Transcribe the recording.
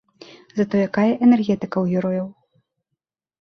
Затое якая энергетыка ў герояў!